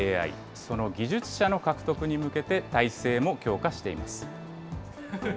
その技術者の獲得に向けて、体制も強化しています。